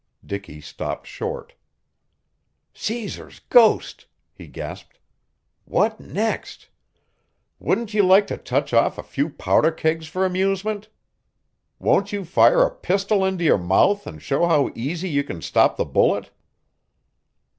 Dicky stopped short. "Cæsar's ghost!" he gasped; "what next? Wouldn't you like to touch off a few powder kegs for amusement? Won't you fire a pistol into your mouth to show how easy you can stop the bullet?"